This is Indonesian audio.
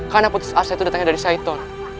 karena putus asa itu datangnya dari saiton